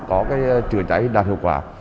có chữa cháy đạt hiệu quả